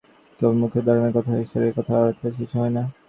কেবল মুখে ধর্মের কথা, ঈশ্বরের কথা আওড়াইলেই কিছু হয় না।